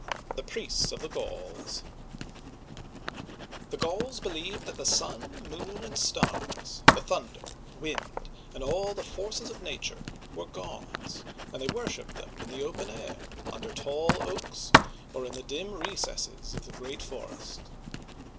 THE PRIESTS OF THE GAULS THE Gauls believed that the sun, moon, and stars, the thunder, wind, and all the forces of nature were gods, and they worshiped them in the open air, under tall oaks or in the dim recesses of the great forest.